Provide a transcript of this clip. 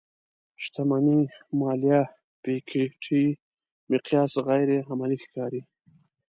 شتمنۍ ماليه پيکيټي مقیاس غیر عملي ښکاري.